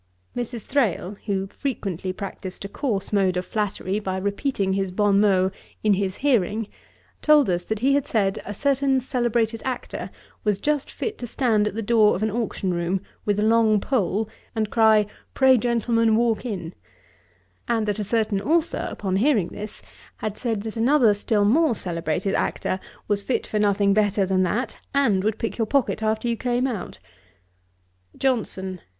Mrs. Thrale, who frequently practised a coarse mode of flattery, by repeating his bon mots in his hearing, told us that he had said, a certain celebrated actor was just fit to stand at the door of an auction room with a long pole, and cry 'Pray gentlemen, walk in;' and that a certain authour, upon hearing this, had said, that another still more celebrated actor was fit for nothing better than that, and would pick your pocket after you came out. JOHNSON.